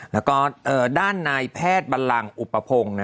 และก็ด้านในแพทย์บำลังอุประพงศ์